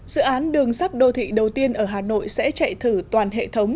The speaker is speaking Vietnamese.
dự án đường sắt đô thị đầu tiên ở hà nội sẽ chạy thử toàn hệ thống